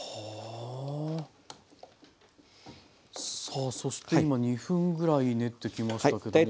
さあそして今２分ぐらい練ってきましたけども。